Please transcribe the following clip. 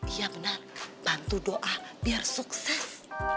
dia benar bantu doa biar sukses